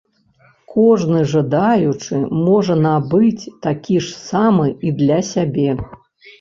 Кожны жадаючы можа набыць такі ж самы і для сябе.